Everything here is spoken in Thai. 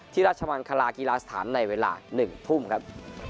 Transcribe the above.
ราชมังคลากีฬาสถานในเวลา๑ทุ่มครับ